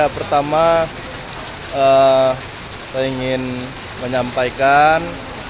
pertama saya ingin menyampaikan